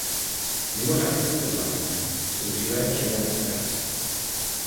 Mimořádně pestře zbarvené jsou živé Červené terasy.